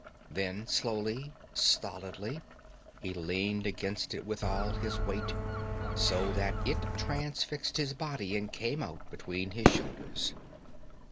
Then slowly, stolidly, he leaned against it with all his weight, so that it transfixed his body and came out between his shoulders.